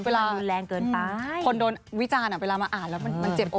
เวลาคนโดนวิจารณ์เวลามาอ่านแล้วมันเจ็บองค์